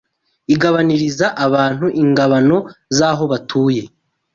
igabaniriza abantu ingabano z’aho batuye